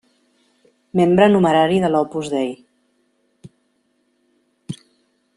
Membre numerari de l'Opus Dei.